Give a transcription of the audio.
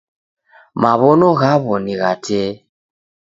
Maw'ono ghaw'o ni gha tee.